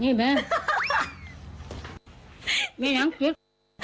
นี่แม่ไม่ยังคิด